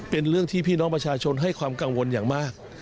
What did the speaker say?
เป็นเรื่องที่พี่น้องประชาชนให้ความกังวลอย่างมาก